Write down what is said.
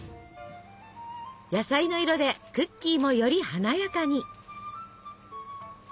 野菜の色でクッキーもより華やかに。